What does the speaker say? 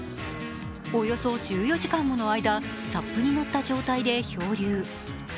およそ１４時間もの間、ＳＵＰに乗った状態で漂流。